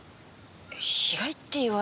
被害って言われると。